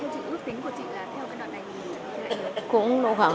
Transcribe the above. thì cũng đủ khoảng